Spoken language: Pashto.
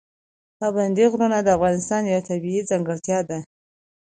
پابندی غرونه د افغانستان یوه طبیعي ځانګړتیا ده.